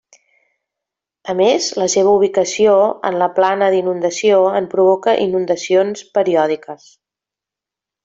A més la seva ubicació en la plana d'inundació en provoca inundacions periòdiques.